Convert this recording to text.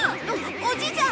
おじいちゃん！